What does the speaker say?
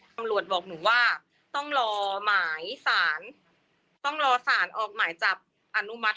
ตำรวจบอกหนูว่าต้องรอหมายสารต้องรอสารออกหมายจับอนุมัติ